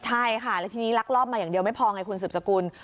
ใช่ค่ะแล้วทีนี้ลักลอบมาอย่างเดียวไม่พอไงคุณสืบสกุล